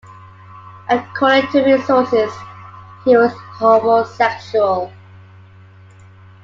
According to many sources, he was homosexual.